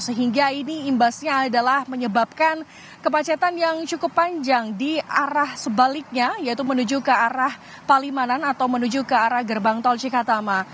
sehingga ini imbasnya adalah menyebabkan kemacetan yang cukup panjang di arah sebaliknya yaitu menuju ke arah palimanan atau menuju ke arah gerbang tol cikatama